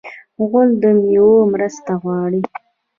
غول د میوو مرسته غواړي.